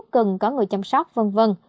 cần có người chăm sóc v v